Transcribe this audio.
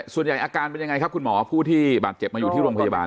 อาการเป็นยังไงครับคุณหมอผู้ที่บาดเจ็บมาอยู่ที่โรงพยาบาล